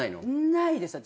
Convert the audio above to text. ないです私。